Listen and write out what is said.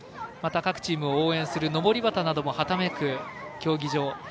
また各チームを応援するのぼり旗などもはためく競技場。